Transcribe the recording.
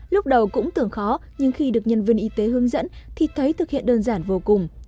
lúc đầu cũng tưởng khó nhưng khi được nhân viên y tế hướng dẫn thì thấy thực hiện đơn giản vô cùng